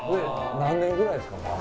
何年ぐらいっすか？